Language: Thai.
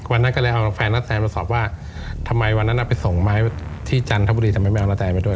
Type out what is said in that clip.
วันนั้นก็เลยเอาแฟนนัสแซนมาสอบว่าทำไมวันนั้นไปส่งไม้ที่จันทบุรีทำไมไม่เอานัตแซนไปด้วย